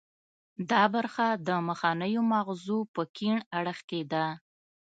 دا برخه د مخنیو مغزو په کیڼ اړخ کې ده